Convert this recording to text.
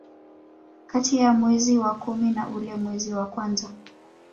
Kati ya mwezi wa kumi na ule mwezi wa kwanza